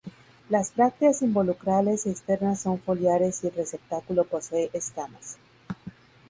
Las brácteas involucrales externas son foliares y el receptáculo posee escamas.